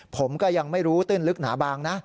ผมก็ยังไม่รู้ตื้นลึกหนาบางนะ